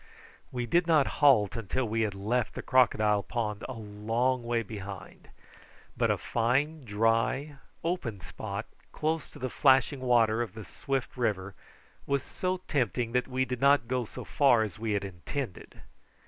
We did not halt until we had left the crocodile pond a long way behind; but a fine dry, open spot, close to the flashing water of the swift river, was so tempting that we did not go so far as we had intended.